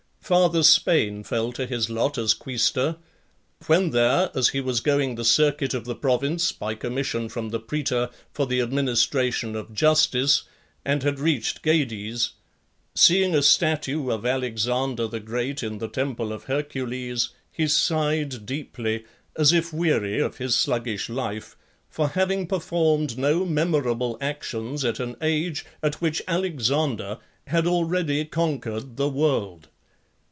VII. Farther Spain fell to his lot as quaestor; when there, as he was going the circuit of the province, by commission from the praetor, for the administration of justice, and had reached Gades, seeing a statue of Alexander the Great in the temple of Hercules, he sighed deeply, as if weary of his sluggish life, for having performed no memorable actions at an age at which Alexander had already conquered the world.